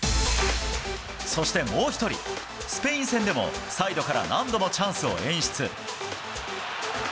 そしてもう１人、スペイン戦でもサイドから何度もチャンスを演出。